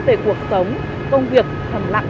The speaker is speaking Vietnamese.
về cuộc sống công việc thầm lặng